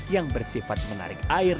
yang bersifat menarik air